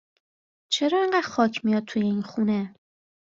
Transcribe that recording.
چرا اِنقدر خاک میاد توی این خونه